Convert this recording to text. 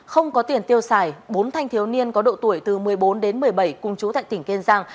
không có tiền tiêu xài bốn thanh thiếu niên có độ tuổi từ một mươi bốn đến một mươi bảy cùng chú tại tỉnh kiên giang